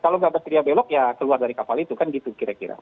kalau nggak berseria belok ya keluar dari kapal itu kan gitu kira kira